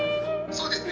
そうですね。